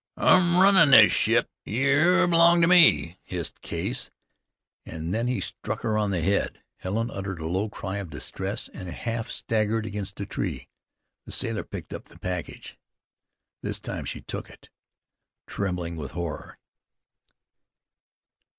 "I'm runnin' this ship. Yer belong to me," hissed Case, and then he struck her on the head. Helen uttered a low cry of distress, and half staggered against the tree. The sailor picked up the package. This time she took it, trembling with horror.